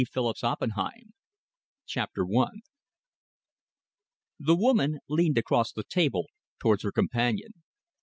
PHILLIPS OPPENHEIM 1915 CHAPTER I The woman leaned across the table towards her companion.